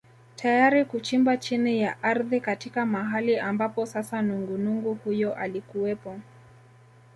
Tayari kuchimba chini ya ardhi katika mahali ambapo sasa nungunungu huyo alikuwepo